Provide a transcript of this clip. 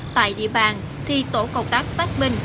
tại địa bàn thi tổ cộng tác sát minh